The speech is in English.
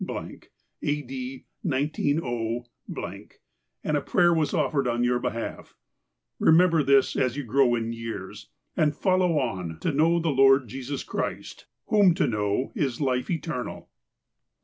A. D. igo , and prayer was offered on your behalf Remember this as you grow in years, and follow on to know the Lord Jesus Christ, whom to know is Life Eternal.